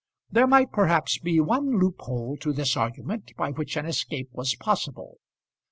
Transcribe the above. There might, perhaps, be one loophole to this argument by which an escape was possible.